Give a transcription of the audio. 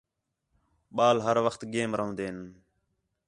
ٻال ہر وخت گیم رون٘دے ہین